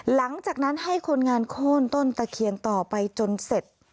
หลังจากนั้นให้คนงานโค้นต้นตะเคียนต่อไปจนเสร็จ